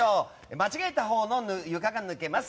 間違えたほうの床が抜けます。